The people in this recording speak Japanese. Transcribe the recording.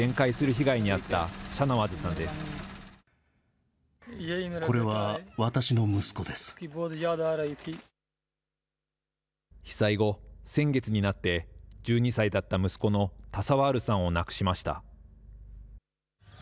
被災後、先月になって１２歳だった息子のタサワールさんを亡くしました。